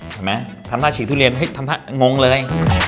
เห็นมั้ยทำถ้าฉีกทุเรียนทำถ้างงเลย